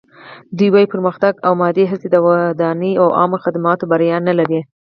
دوی وايي پرمختګ او مادي هڅې د ودانۍ او عامه خدماتو بریا نه لري.